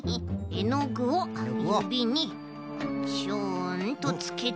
えのぐをゆびにちょんとつけて。